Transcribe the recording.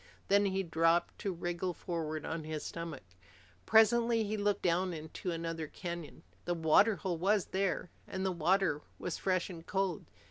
Then he dropped to wriggle forward on his stomach. Presently he looked down into another canyon. The water hole was there, and the water was fresh and cold.